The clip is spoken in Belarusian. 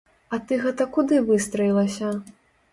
А ты гэта куды выстраілася?